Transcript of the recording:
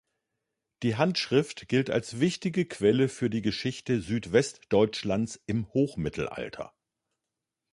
Die Handschrift gilt als wichtige Quelle für die Geschichte Südwestdeutschlands im Hochmittelalter.